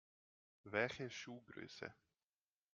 Welche Schuhgröße?